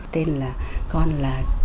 tên là con là